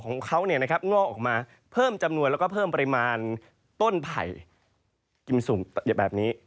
ของเขางอกออกมาเพิ่มจำนวนแล้วก็เพิ่มปริมาณต้นไผ่กิมสูงแบบนี้